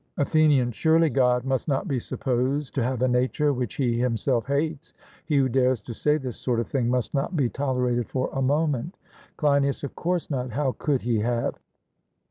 ATHENIAN: Surely God must not be supposed to have a nature which He Himself hates? he who dares to say this sort of thing must not be tolerated for a moment. CLEINIAS: Of course not. How could he have?